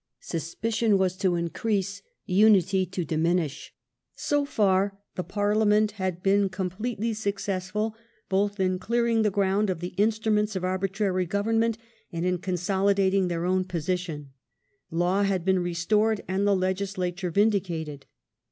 Suspicion w^as to increase, unity to diminish. So far the Parliament had been completely successful both in The begin clearing the ground of the instruments of arbi union°Lnd " ^^^^y government and in consolidating their revolution. own position : law had been restored, and the legislature vindicated.